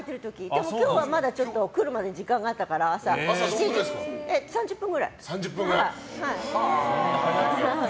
でも、今日は来るまで時間があったから朝７時から３０分ぐらい。